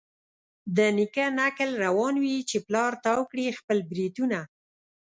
د نیکه نکل روان وي چي پلار تاو کړي خپل برېتونه